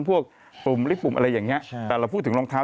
อาจจะลืมลืมสองเท้า